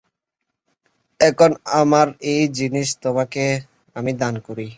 এখন আমার এই জিনিস তোমাকে আমি দান করি।